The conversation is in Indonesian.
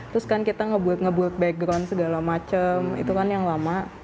terus kan kita ngebuat ngebut background segala macem itu kan yang lama